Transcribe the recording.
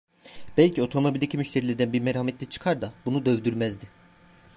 Belki otomobildeki müşterilerden bir merhametli çıkar da bunu dövdürmezdi.